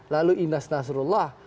lalu inas nasrullah